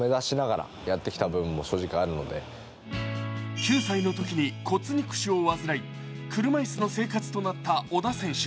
９歳のときに骨肉腫を患い、車椅子の生活となった小田選手。